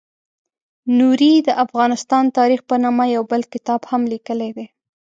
نوري د افغانستان تاریخ په نامه یو بل کتاب هم لیکلی دی.